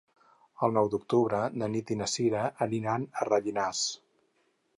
El nou d'octubre na Nit i na Sira aniran a Rellinars.